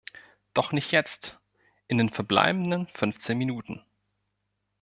Doch nicht jetzt, in den verbleibenden fünfzehn Minuten!